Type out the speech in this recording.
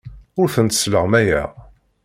Ur tent-sleɣmayeɣ.